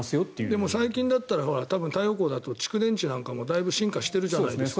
でも最近だったら太陽光だと蓄電池なんかもだいぶ進化しているじゃないですか。